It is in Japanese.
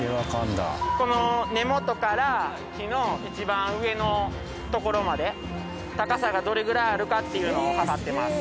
この根元から木の一番上の所まで高さがどれぐらいあるかっていうのを測ってます。